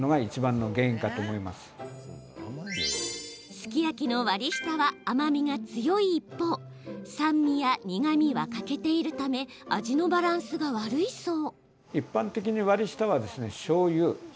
すき焼きの割り下は甘みが強い一方酸味や苦みは欠けているため味のバランスが悪いそう。